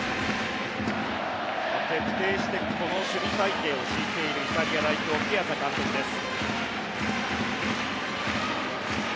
徹底してこの守備隊形を敷いているイタリア代表のピアザ監督です。